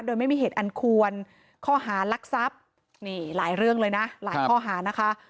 โดยไม่มีเหตุอันควรข้อหารักทรัพย์นี่หลายเรื่องเลยนะหลายข้อหานะคะ